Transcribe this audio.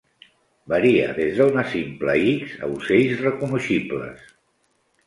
Varia des d'una simple X a ocells reconeixibles.